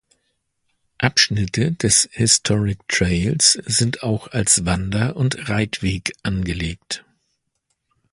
Abschnitte des Historic Trails sind auch als Wander- und Reitweg angelegt.